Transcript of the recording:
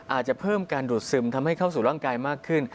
อาจจะเพิ่มการดูดซึมทำให้เข้าสู่ร่างกายมากขึ้น